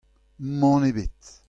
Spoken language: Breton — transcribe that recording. Mann ebet.